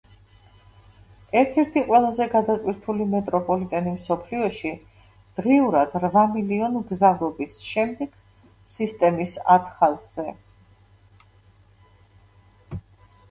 ერთ-ერთი ყველაზე გადატვირთული მეტროპოლიტენი მსოფლიოში დღიურად რვა მლნ მგზავრობის შემდეგ სისტემის ათ ხაზზე.